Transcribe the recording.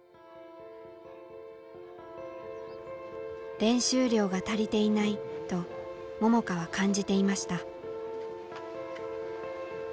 「練習量が足りていない」と桃佳は感じていました。